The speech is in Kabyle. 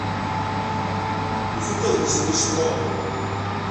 Ifuk adlis-nni s tɣuri.